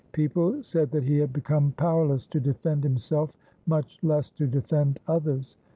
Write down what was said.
People said that he had become powerless to defend himself, much less to defend others.